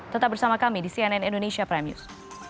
tetap bersama kami di cnn indonesia prime news